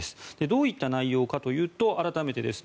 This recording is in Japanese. どういった内容かというと改めてです。